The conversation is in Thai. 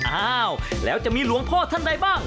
อ้าวแล้วจะมีหลวงพ่อท่านใดบ้าง